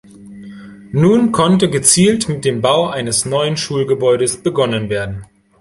Nun konnte gezielt mit dem Bau eines neuen Schulgebäudes begonnen werden.